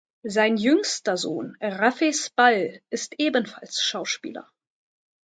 Sein jüngster Sohn Rafe Spall ist ebenfalls Schauspieler.